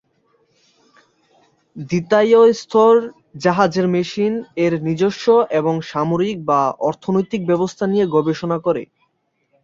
দ্বিতাইয় স্তর জাহাজের মেশিন, এর নিজস্ব এবং সামরিক বা অর্থনৈতিক ব্যবস্থা নিয়ে গবেষণা করে।